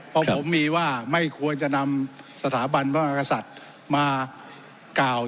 เพราะผมมีว่าไม่ควรจะนำสถาบันภักษฎรมากล่าว